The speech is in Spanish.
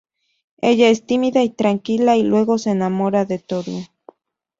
Ella es tímida y tranquila, y luego se enamora de Toru.